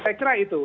saya kira itu